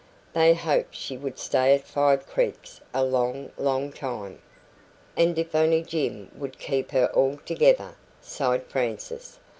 They hoped she would stay at Five Creeks a long, long time. "And if only Jim would keep her altogether!" sighed Frances.